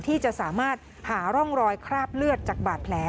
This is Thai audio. ที่จะสามารถหาร่องรอยคราบเลือดจากบาดแผล